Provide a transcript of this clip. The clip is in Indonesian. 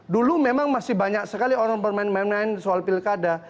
dulu memang masih banyak sekali orang bermain main soal pilkada